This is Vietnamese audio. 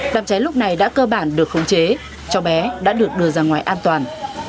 đám cháy lúc này đã cơ bản được khống chế cháu bé đã được đưa ra ngoài an toàn